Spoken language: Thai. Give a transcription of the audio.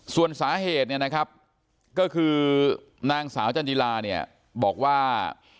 ส่วนสาเหตุเนี่ยนะครับก็คือนางสาวจันจิลาเนี่ยบอกว่า